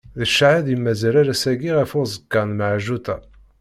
D ccahed i mazal ar ass-agi ɣef uẓekka n Meɛǧuṭa.